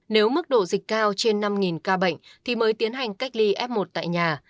nếu mức độ dịch cao trên năm ca bệnh thì mới tiến hành cách ly f một tại nhà